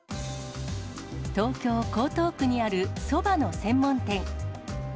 東京・江東区にあるそばの専門店。